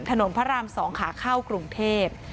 ถนนพระราม๒ขาเข้ากรุงเทพ